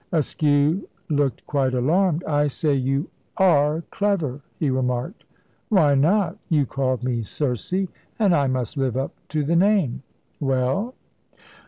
Askew looked quite alarmed. "I say you are clever," he remarked. "Why not? You called me Circe, and I must live up to the name. Well?"